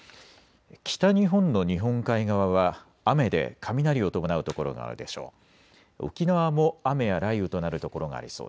北日本の日本海側は雨で雷を伴う所があるでしょう。